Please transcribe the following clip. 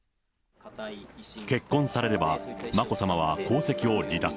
結婚されれば、眞子さまは皇籍を離脱。